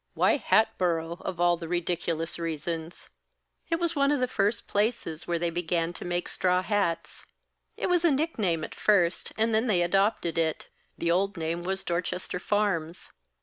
"Why Hatboro', of all the ridiculous reasons?" "It was one of the first places where they began to make straw hats; it was a nickname at first, and then they adopted it. The old name was Dorchester Farms.